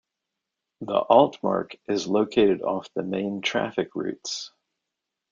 The Altmark is located off the main traffic routes.